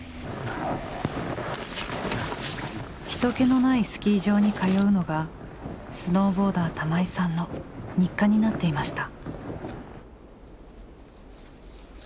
人けのないスキー場に通うのがスノーボーダー玉井さんの日課になっていました。